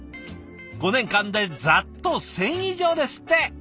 ５年間でざっと１，０００以上ですって！